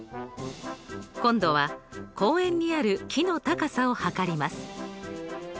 今度は公園にある木の高さを測ります。